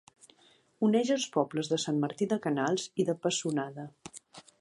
Uneix els pobles de Sant Martí de Canals i de Pessonada.